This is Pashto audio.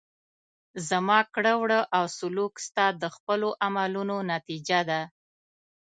زما کړه وړه او سلوک ستا د خپلو عملونو نتیجه ده.